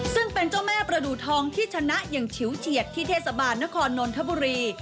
ซึ่งเป็นเจ้าแม่ประดูทองที่ชนะอย่างฉิวเฉียดที่เทศบาลนครนนทบุรี